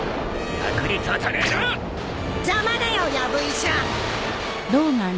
邪魔だよやぶ医者！